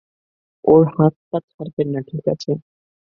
ওর হাত ছাড়বেন না, ঠিক আছে?